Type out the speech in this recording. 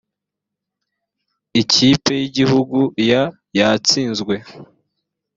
ikipi y’ igihugu ya yatsinzwe.